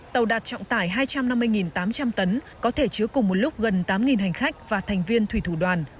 tàu đạt trọng tải hai trăm năm mươi tám trăm linh tấn có thể chứa cùng một lúc gần tám hành khách và thành viên thủy thủ đoàn